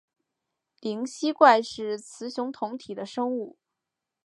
灵吸怪是雌雄同体的生物。